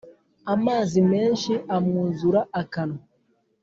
amazi menshi amwuzura akanwa